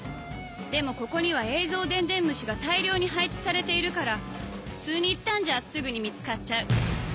でもここには映像電伝虫が大量に配置されているから普通に行ったんじゃすぐに見つかっちゃう